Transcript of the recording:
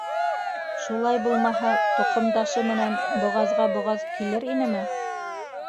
Шулай булмаһа, тоҡомдашы менән боғаҙға боғаҙ килер инеме?